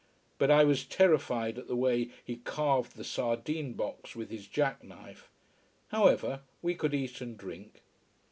But I was terrified at the way he carved the sardine box with his jack knife. However, we could eat and drink.